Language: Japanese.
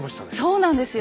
そうなんですよ。